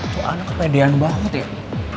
kok anak kepedean banget ya